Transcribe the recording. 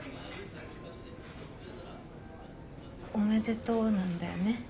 「おめでとう」なんだよね？